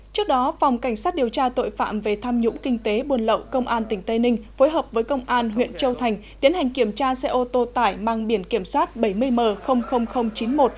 trước đó phòng cảnh sát điều tra tội phạm về tham nhũng kinh tế buôn lậu công an tỉnh tây ninh phối hợp với công an huyện châu thành tiến hành kiểm tra xe ô tô tải mang biển kiểm soát bảy mươi m chín mươi một